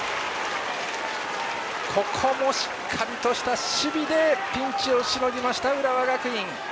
ここもしっかりとした守備でピンチをしのぎました、浦和学院。